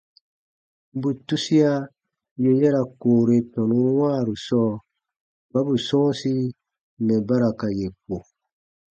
Bù tusia yè ya ra koore tɔnun wãaru sɔɔ kpa bù sɔ̃ɔsi mɛ̀ ba ra ka yè ko.